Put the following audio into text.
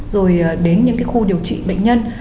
rồi đến những cái khu điều trị bệnh nhân